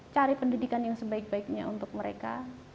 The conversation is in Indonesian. cari pendidikan yang sebaik baiknya untuk mereka